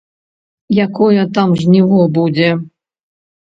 Якое там жніво будзе!